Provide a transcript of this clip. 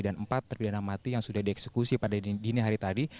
dan empat terpi dana mati yang sudah dieksekusi pada dini hari tadi